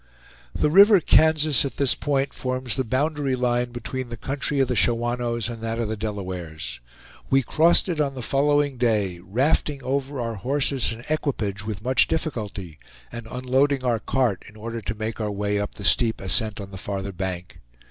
The river Kansas at this point forms the boundary line between the country of the Shawanoes and that of the Delawares. We crossed it on the following day, rafting over our horses and equipage with much difficulty, and unloading our cart in order to make our way up the steep ascent on the farther bank.